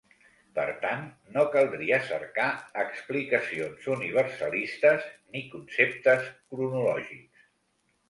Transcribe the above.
Per tant, no caldria cercar explicacions universalistes ni conceptes cronològics.